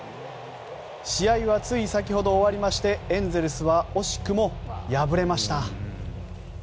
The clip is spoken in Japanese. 試合はつい先ほど終わりましてエンゼルスは惜しくも敗れました。